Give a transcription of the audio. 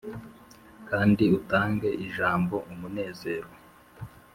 kandi utange ijambo umunezero.